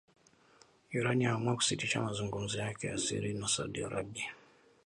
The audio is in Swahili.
Iran yaamua kusitisha mazungumzo yake ya siri na Saudi Arabia.